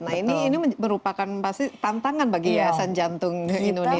nah ini merupakan pasti tantangan bagi yayasan jantung indonesia